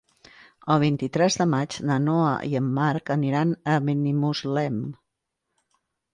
El vint-i-tres de maig na Noa i en Marc aniran a Benimuslem.